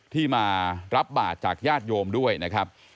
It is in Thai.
ที่มารับบาทจากญาติโยมด้วยนะครับ